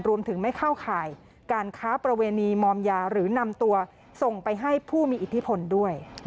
รวมถึงไม่เข้าข่ายการค้าประเวณีมอมยาหรือนำตัวส่งไปให้ผู้มีอิทธิพลด้วย